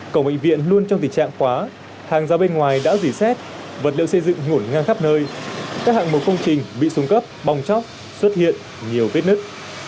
cổng bệnh viện luôn trong tình trạng quá hàng ra bên ngoài đã dỉ xét vật liệu xây dựng hổn ngang khắp nơi các hạng mục công trình bị xuống cấp bong chóc xuất hiện nhiều vết nứt